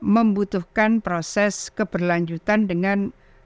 membutuhkan proses keberlanjutan dengan